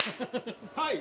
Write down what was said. はい！